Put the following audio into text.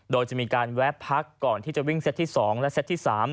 โดยจะมีการแวะพักก่อนที่จะวิ่งเซตที่๒และเซตที่๓